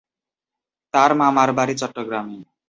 তার মামার বাড়ি চট্টগ্রামে।